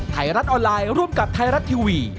ไทยรัฐออนไลน์ร่วมกับไทยรัฐทีวี